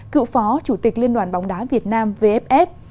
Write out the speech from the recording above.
cựu phó chủ tịch liên đoàn bóng đá việt nam vff